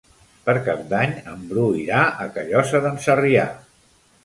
Per Cap d'Any en Bru irà a Callosa d'en Sarrià.